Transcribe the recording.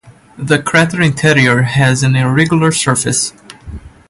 The crater interior has an irregular surface.